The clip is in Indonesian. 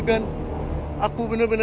kau menjawab saya